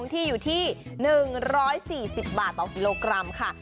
ที่อยู่ที่๑๔๐บาทต่อกิโลกรัมค่ะ